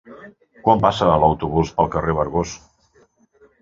Quan passa l'autobús pel carrer Vergós?